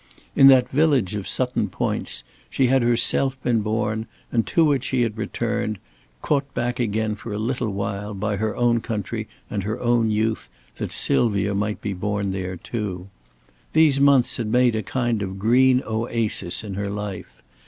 In that village of Sutton Poyntz she had herself been born, and to it she had returned, caught back again for a little while by her own country and her youth, that Sylvia might be born there too. These months had made a kind of green oasis in her life.